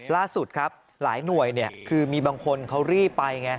ล่าสุดครับหลายหน่วยคือมีบางคนเขารีบไปไง